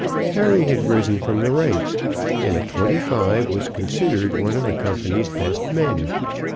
"Harry had risen from the ranks, and at twenty five was considered one of the company's best men.